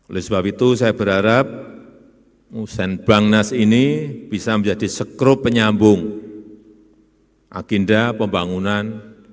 oleh sebab itu saya berharap senbangnas ini bisa menjadi sekrup penyambung agenda pembangunan